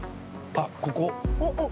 あっここ！